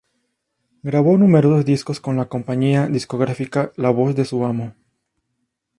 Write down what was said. Grabó numerosos discos con la compañía discográfica La Voz de su Amo.